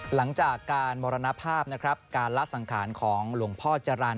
หลังจากการมรณภาพนะครับการละสังขารของหลวงพ่อจรรย์